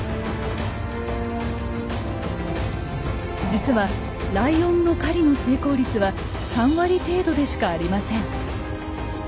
実はライオンの狩りの成功率は３割程度でしかありません。